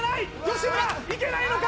吉村いけないのか？